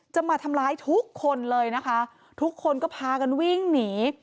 จะมาทำร้ายทุกคนเลยนะคะทุกคนก็พากันวิ่งหนี